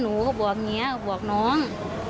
หนูก็บอกอย่างนี้บอกน้อง